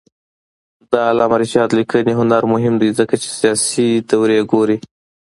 د علامه رشاد لیکنی هنر مهم دی ځکه چې سیاسي دورې ګوري.